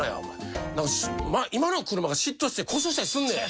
「今の車が嫉妬して故障したりすんねん」